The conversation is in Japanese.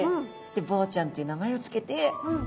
ボウちゃんという名前を付けて。